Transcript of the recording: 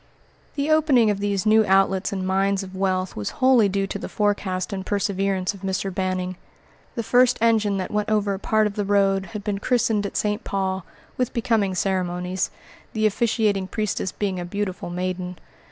The opening of these new outlets and mines of wealth was wholly due to the forecast and perseverance of Mr. Banning. The first engine that went over a part of the road had been christened at St. Paul, with becoming ceremonies; the officiating priestess being a beautiful maiden.